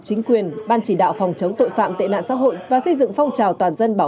chính quyền ban chỉ đạo phòng chống tội phạm tệ nạn xã hội và xây dựng phong trào toàn dân bảo